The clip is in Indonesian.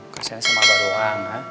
kasiannya sama abah doang ha